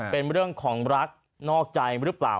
เป็นเรื่องของรักนอกใจหรือเปล่า